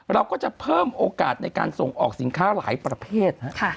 เราก็จะเพิ่มโอกาสในการส่งออกสินค้าหลายประเภท